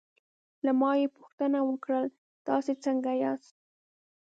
له ما یې پوښتنه وکړل: تاسې څنګه یاست؟